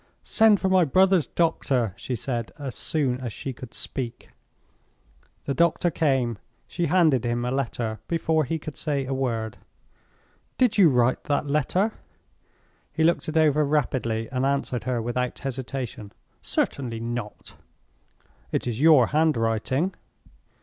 "Send for my brother's doctor," she said, as soon as she could speak. The doctor came. She handed him a letter before he could say a word. "Did you write that letter?" He looked it over rapidly, and answered her without hesitation, "Certainly not!" "It is your handwriting."